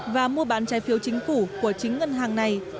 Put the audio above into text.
và mua bán trái phiếu chính phủ của chính ngân hàng này